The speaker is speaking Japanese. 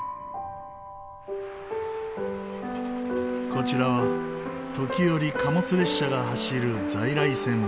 こちらは時折貨物列車が走る在来線。